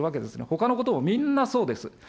ほかのこともみんなそうです。